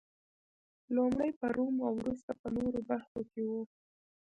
لومړی په روم او وروسته په نورو برخو کې و